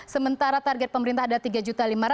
sementara target pemerintah ada tiga lima ratus